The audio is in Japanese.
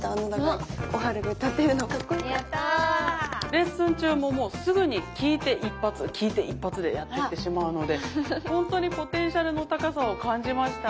レッスン中ももうすぐに聴いて一発聴いて一発でやってってしまうのでほんとにポテンシャルの高さを感じました。